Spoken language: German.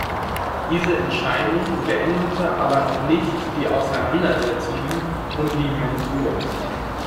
Diese Entscheidung beendete aber noch nicht die Auseinandersetzungen um die Mensur.